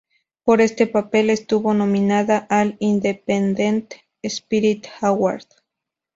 Por este papel estuvo nominada al Independent Spirit Award.